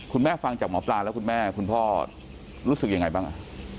ฟังจากหมอปลาแล้วคุณแม่คุณพ่อรู้สึกยังไงบ้าง